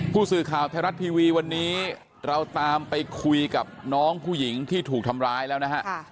ผู้สื่อข่าวไทยรัฐทีวีวันนี้เราตามไปคุยกับน้องผู้หญิงที่ถูกทำร้ายแล้วนะฮะ